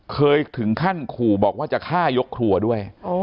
เคยถึงขั้นขู่บอกว่าจะฆ่ายกครัวด้วย